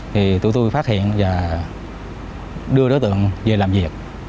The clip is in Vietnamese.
thì tụi tôi phát hiện và đưa đối tượng về làm việc